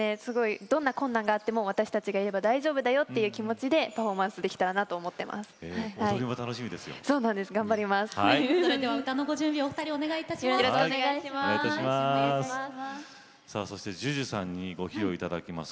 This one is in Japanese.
どんな困難であっても私たちがいれば大丈夫という気持ちでパフォーマンスできたらと思っています。